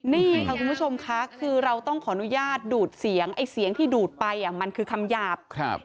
นี่ค่ะคุณผู้ชมค่ะคือเราต้องขออนุญาตดูดเสียงไอ้เสียงที่ดูดไปมันคือคำหยาบ